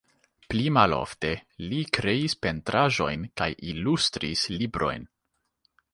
Pli malofte li kreis pentraĵojn kaj ilustris librojn.